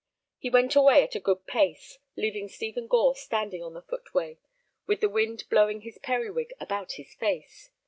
He went away at a good pace, leaving Stephen Gore standing on the footway, with the wind blowing his periwig about his face.